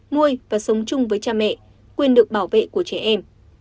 nuôi và sống chung với cha mẹ quyền được bảo vệ của trẻ em